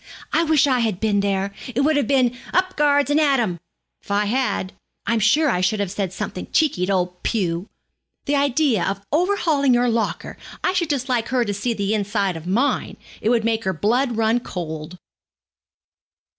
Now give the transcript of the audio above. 'I wish I had been there. It would have been "Up, guards, and at 'em!" if I had. I'm sure I should have said something cheeky to old Pew. The idea of overhauling your locker! I should just like her to see the inside of mine. It would make her blood run cold.'